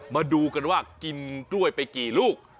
มาดูกันว่ากินกล้วยไปกี่ลูก